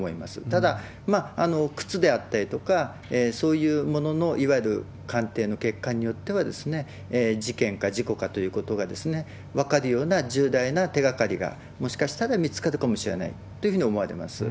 ただ、靴であったりとか、そういうものの、いわゆる鑑定の結果によっては、事件か事故かということが分かるような重大な手がかりがもしかしたら見つかるかもしれないというふうに思われます。